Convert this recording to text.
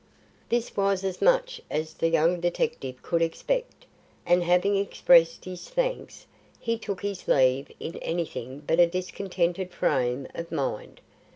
This was as much as the young detective could expect, and having expressed his thanks, he took his leave in anything but a discontented frame of mind.